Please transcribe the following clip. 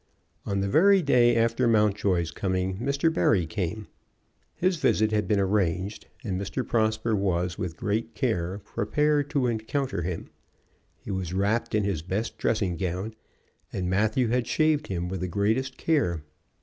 On the very day after Mountjoy's coming Mr. Barry came. His visit had been arranged, and Mr. Prosper was, with great care, prepared to encounter him. He was wrapped in his best dressing gown, and Matthew had shaved him with the greatest care.